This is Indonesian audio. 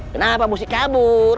kenapa mesti kabur